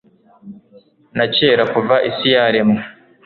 nakera Kuva isi yaremwa,